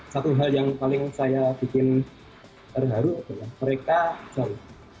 satu hal yang paling saya bikin terharu adalah mereka jauh